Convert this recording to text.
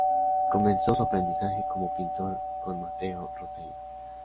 Comenzó su aprendizaje como pintor con Matteo Rosselli.